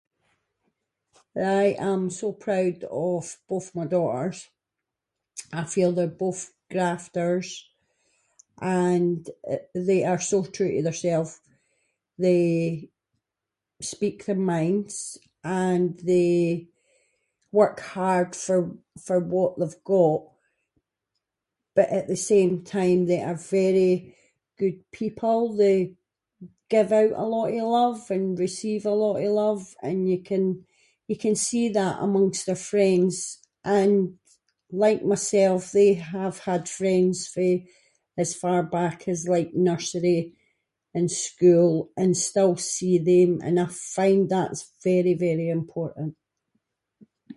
I am so proud of both my daughters, I feel they’re both grafters, and they are so true to theirself, they speak their minds, and they work hard for what they’ve got, but at the same time they are very good people, they give out a lot of love, and receive a lot of love, and you can see that amongst their friends, and like myself they have had friends fae as far back as like nursery and school, and still see them, and I find that’s very very important.